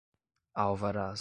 alvarás